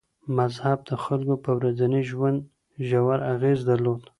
مذهب د خلګو په ورځني ژوند ژور اغېز درلود.